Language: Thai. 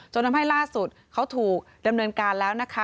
ทำให้ล่าสุดเขาถูกดำเนินการแล้วนะคะ